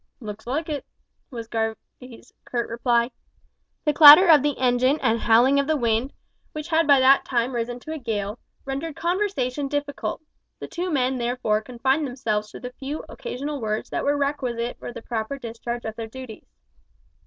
"Looks like it," was Garvie's curt reply. The clatter of the engine and howling of the wind, which had by that time risen to a gale, rendered conversation difficult; the two men therefore confined themselves to the few occasional words that were requisite for the proper discharge of their duties.